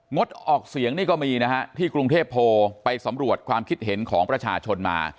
ดออกเสียงนี่ก็มีนะฮะที่กรุงเทพโพลไปสำรวจความคิดเห็นของประชาชนมา